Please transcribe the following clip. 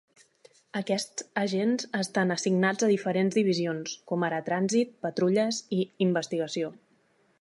Aquests agents estan assignats a diferents divisions, com ara trànsit, patrulles i investigació.